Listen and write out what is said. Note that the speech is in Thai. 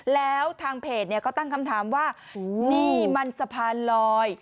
แล้วทางเพจก็ตั้งคำถามว่านี่มันสะพานลอย